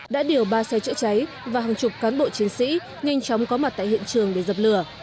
đã điều ba xe chữa cháy và hàng chục cán bộ chiến sĩ nhanh chóng có mặt tại hiện trường để dập lửa